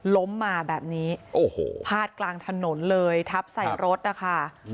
ล้มมาแบบนี้พาดกลางถนนเลยทับใส่รถค่ะ